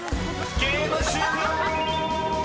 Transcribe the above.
［ゲーム終了！］